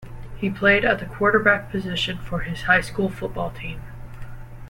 He played at the quarterback position for his high school football team.